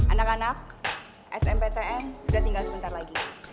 anak anak smptn sudah tinggal sebentar lagi